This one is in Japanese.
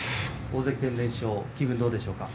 大関戦連勝気分はどうでしょうか。